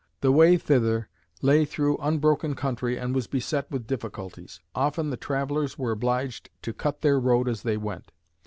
The way thither lay through unbroken country and was beset with difficulties. Often the travellers were obliged to cut their road as they went.